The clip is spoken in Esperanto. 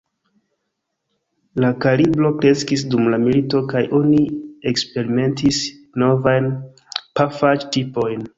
La kalibro kreskis dum la milito kaj oni eksperimentis novajn pafaĵ-tipojn.